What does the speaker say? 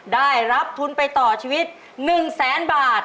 ได้รับทุนไปต่อชีวิต๑แสนบาท